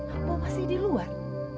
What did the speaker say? apa masih di luar